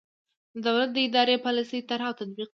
د دولت د اداري پالیسۍ طرح او تطبیق کول.